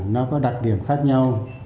nó có đặc điểm khác nhau